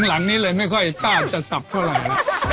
หลังนี้เลยไม่ค่อยกล้าจะสับเท่าไหร่